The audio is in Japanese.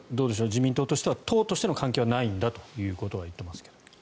自民党は党としての関係はないんだということは言っていますが。